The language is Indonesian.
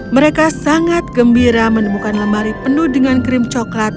mereka sangat gembira menemukan lemari penuh dengan krim coklat